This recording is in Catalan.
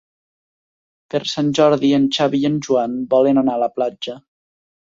Per Sant Jordi en Xavi i en Joan volen anar a la platja.